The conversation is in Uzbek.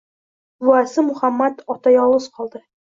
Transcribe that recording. Buvasi Muhammad ota yolg`iz qoldi